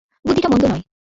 বুদ্ধিটা মন্দ নয়।